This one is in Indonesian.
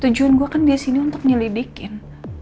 tujuan gue kan disini untuk nyelidikin